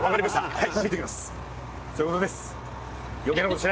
はい。